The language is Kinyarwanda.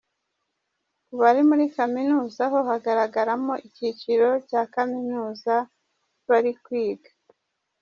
Ku bari muri Kamimuza ho hagaragaragamo icyiciro cya kaminuza bari kwiga.